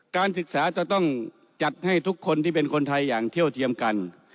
การศึกษาจะต้องจัดให้ทุกคนที่เป็นคนไทยอย่างเที่ยวเทียมกัน